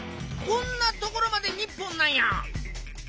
こんな所まで日本なんや。